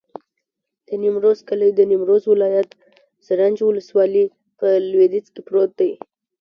د نیمروز کلی د نیمروز ولایت، زرنج ولسوالي په لویدیځ کې پروت دی.